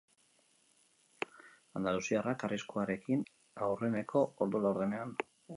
Andaluziarrak arriskuarekin hurbildu dira aurreneko ordu laurdenean.